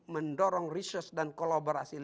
mendorong research dan kolaborasi